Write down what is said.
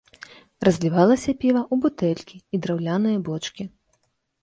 Разлівалася піва ў бутэлькі і драўляныя бочкі.